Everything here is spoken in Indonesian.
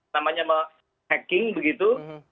namanya me hacking begitu